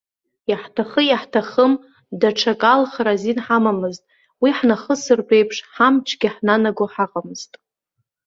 Иаҳҭахы-иаҳҭахым, даҽак алхра азин ҳамамызт, уи ҳнахысыртә еиԥш ҳамчгьы ҳнанаго ҳаҟамызт.